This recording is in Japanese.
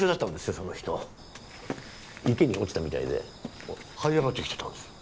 その人池に落ちたみたいではい上がってきてたんです